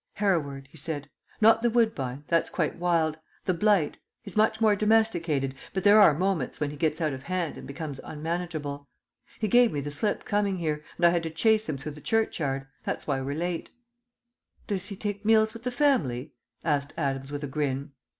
"Hereward," he said. "Not the woodbine; that's quite wild. The blight. He's much more domesticated, but there are moments when he gets out of hand and becomes unmanageable. He gave me the slip coming here, and I had to chase him through the churchyard; that's why we're late." "Does he take meals with the family?" asked Adams with a grin.